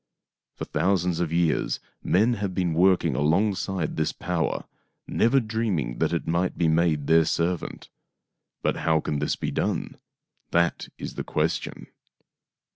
For thousands of years n>en have been working alongside of this power, never dreaming that it might be made their servant. But how can this be done.? That is the question."